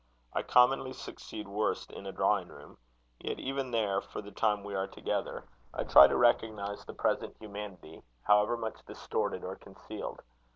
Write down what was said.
I commonly succeed worst in a drawing room; yet even there, for the time we are together, I try to recognise the present humanity, however much distorted or concealed.